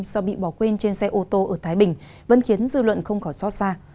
do bị bỏ quên trên xe ô tô ở thái bình vẫn khiến dư luận không khỏi xót xa